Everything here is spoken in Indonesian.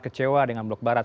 kecewa dengan blok barat